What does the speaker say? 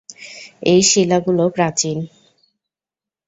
এই শিলাগুলো প্রাচীন।